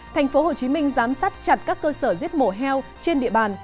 tp hồ chí minh giám sát chặt các cơ sở giết mổ heo trên địa bàn